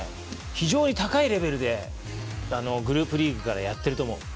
非常に高いレベルでグループリーグからやってると思う。